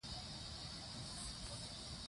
تاریخ د افغانستان د طبیعت د ښکلا برخه ده.